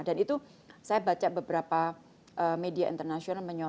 dan itu saya baca beberapa media internasional menyebutnya